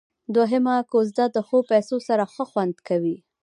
دوهمه کوزده د ښو پيسو سره ښه خوند کيي.